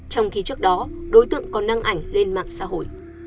trong khi trước đó đối tượng còn đăng ảnh lên mạng xã hội